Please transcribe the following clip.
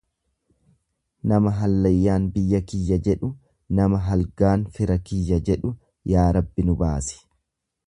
Nama hallayyaan biyya kiyya jedhu, nama halgaan fira kiyya jedhu, yaa Rabbi nu baasi.